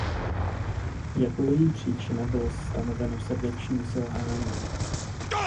Jako její příčina bylo stanoveno srdeční selhání.